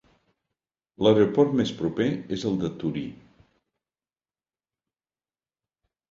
L'aeroport més proper és el de Torí.